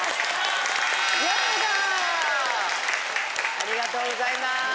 ありがとうございます！